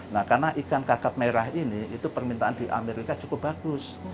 nah karena ikan kakap merah ini itu permintaan di amerika cukup bagus